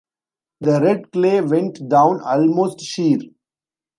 The red clay went down almost sheer.